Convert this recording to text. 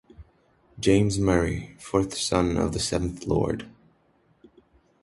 James Murray, fourth son of the seventh Lord.